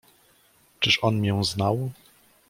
"Czyż on mię znał?"